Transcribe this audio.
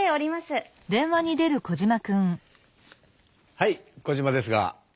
はいコジマですが。